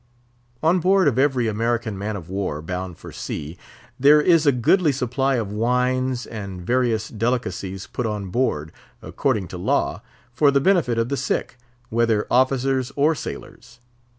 On board of every American man of war, bound for sea, there is a goodly supply of wines and various delicacies put on board—according to law—for the benefit of the sick, whether officers or sailors.